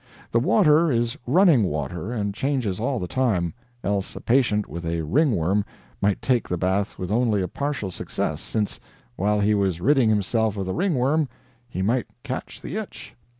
The water is running water, and changes all the time, else a patient with a ringworm might take the bath with only a partial success, since, while he was ridding himself of the ringworm, he might catch the itch.